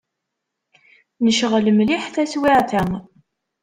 Necɣel mliḥ taswiɛt-a.